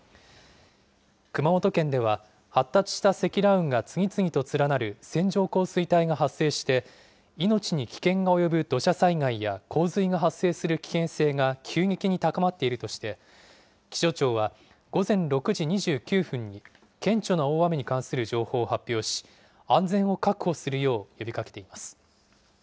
熊本県では、発達した積乱雲が次々と連なる線状降水帯が発生して、命に危険が及ぶ土砂災害や洪水が発生する危険性が急激に高まっているとして、気象庁は午前６時２９分に、顕著な大雨に関する情報を発表し、安全を確保するよう呼びかけています。